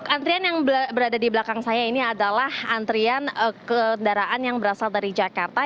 antrian yang berada di belakang saya ini adalah antrian kendaraan yang berasal dari jakarta